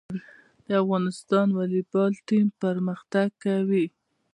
د افغانستان والیبال ټیم پرمختګ کوي